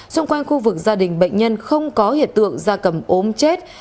xung quanh khu vực gia đình bệnh nhân không có hiện tượng da cầm ốm chết